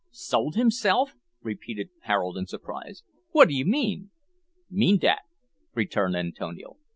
"Sold himself!" repeated Harold in surprise. "What do you mean?" "Mean dat," returned Antonio.